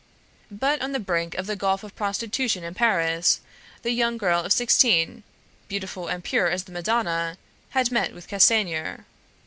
But on the brink of the gulf of prostitution in Paris, the young girl of sixteen, beautiful and pure as the Madonna, had met with Castanier.